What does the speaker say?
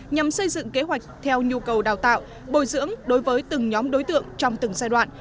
nhằm xây dựng kế hoạch theo nhu cầu đào tạo bồi dưỡng đối với từng nhóm đối tượng trong từng giai đoạn